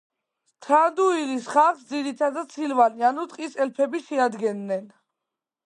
თრანდუილის ხალხს ძირითადად სილვანი, ანუ ტყის ელფები შეადგენდნენ.